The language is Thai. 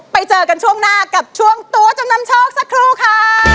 ไปเจอกันช่วงหน้ากับช่วงตัวจำนำโชคสักครู่ค่ะ